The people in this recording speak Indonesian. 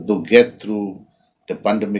untuk mencapai keberhasilan pandemi